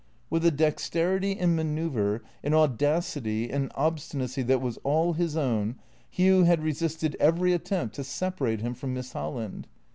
With a dexterity in manoeuvre, an audacity, an obstinacy that was all his own, Hugh had resisted every attempt to separate him from Miss Holland.